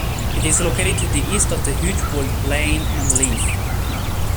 It is located to the east of the huge walled plain Mendeleev.